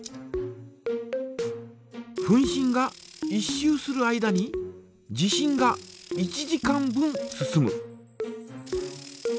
分針が１周する間に時針が１時間分進む。